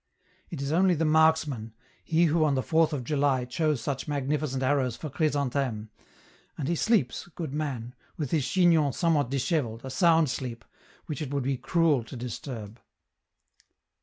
It is only the marksman, he who on the 4th of July chose such magnificent arrows for Chrysantheme; and he sleeps, good man! with his chignon somewhat dishevelled, a sound sleep, which it would be cruel to disturb.